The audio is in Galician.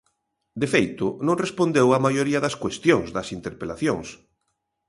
De feito, non respondeu a maioría das cuestións, das interpelacións.